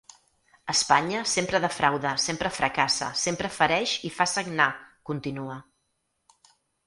Espanya, sempre defrauda, sempre fracassa, sempre fereix i fa sagnar, continua.